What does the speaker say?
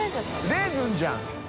レーズンじゃん。